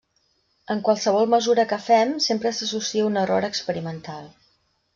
En qualsevol mesura que fem, sempre s'associa un error experimental.